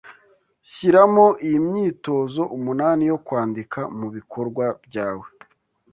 Shyiramo iyi myitozo umunani yo kwandika mubikorwa byawe